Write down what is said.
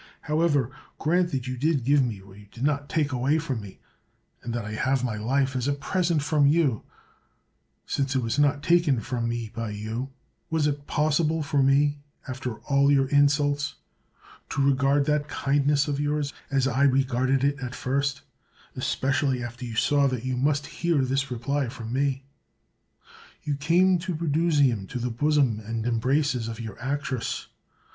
However, grant that you did give me what you did not take away from me, and that I have my life as a present from you, since it was not taken from me by you ; was it possible for me, after all your insults, to regard that kindness of yours as I regarded it at first, especially after you saw that you must hear this reply from me ? You came to Brundusium, to the bosom and embraces of your actress.